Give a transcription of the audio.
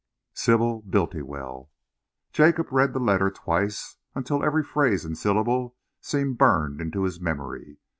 Sybil Bultiwell. Jacob read the letter twice, until every phrase and syllable seemed burned into his memory.